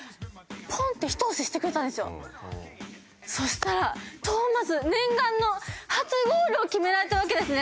そしたらトーマス念願の初ゴールを決められたわけですね。